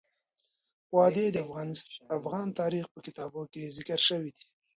وادي د افغان تاریخ په کتابونو کې ذکر شوی دي.